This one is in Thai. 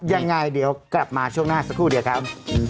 ยังไงเดี๋ยวกลับมาช่วงหน้าสักครู่เดียวครับ